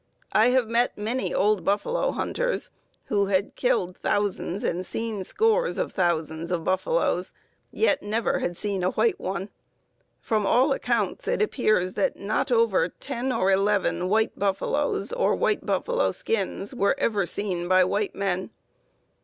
I have met many old buffalo hunters, who had killed thousands and seen scores of thousands of buffaloes, yet never had seen a white one. From all accounts it appears that not over ten or eleven white buffaloes, or white buffalo skins, were ever seen by white men.